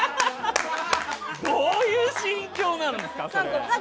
どういう心境なんですか、それ。